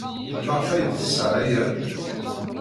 Maɣef ay d-tesɣa aya?